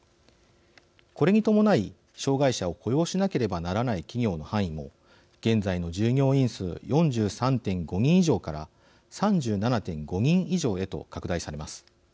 これに伴い障害者を雇用しなければならない企業の範囲も現在の従業員数４３．５人以上から３７．５人以上へと拡大されます。